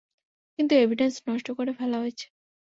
কিন্তু এভিডেন্স নষ্ট করে ফেলা হয়েছে।